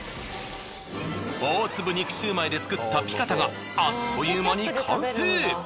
大粒肉焼売で作ったピカタがあっという間に完成。